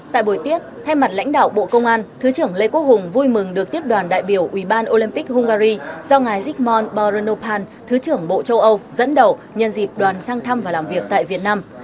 tại buổi tiết thay mặt lãnh đạo bộ công an thứ trưởng lê quốc hùng vui mừng được tiếp đoàn đại biểu ủy ban olympic hungary do ngài digmun boronopan thứ trưởng bộ châu âu dẫn đầu nhân dịp đoàn sang thăm và làm việc tại việt nam